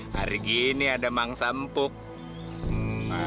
hari gini ada mangsa empuk